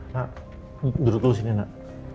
nak duduk lu sini nak